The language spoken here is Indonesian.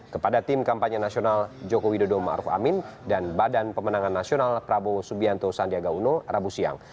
kepada tim kampanye nasional joko widodo ⁇ maruf ⁇ amin dan badan pemenangan nasional prabowo subianto sandiaga uno rabu siang